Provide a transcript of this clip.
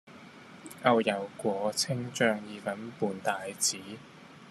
牛油果青醬意粉伴帶子